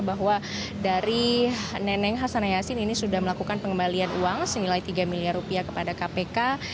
bahwa dari neneng hasan yasin ini sudah melakukan pengembalian uang senilai tiga miliar rupiah kepada kpk